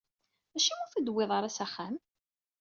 Acimi ur t-id-tewwiḍ ara s axxam?